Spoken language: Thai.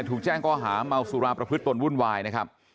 ถูกแจ้งข้อหาเมาสุราประพฤติตนวุ่นวายนะครับ